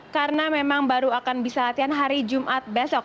karena memang baru akan bisa latihan hari jumat besok